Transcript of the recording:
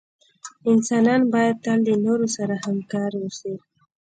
انسانان باید تل دنورو سره همکار اوسې